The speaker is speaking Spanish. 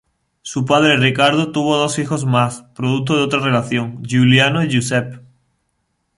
Su padre Riccardo tuvo dos hijos más, producto de otra relación: Giuliano y Giuseppe.